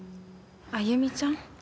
あゆみちゃん？